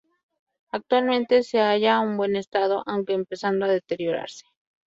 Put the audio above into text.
Actualmente se halla en buen estado, aunque empezando a deteriorarse.